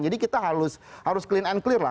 jadi kita harus clean and clear lah